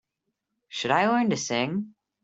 Should I learn to sing?